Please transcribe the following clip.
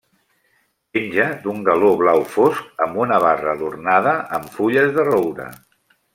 Penja d'un galó blau fosc, amb una barra adornada amb fulles de roure.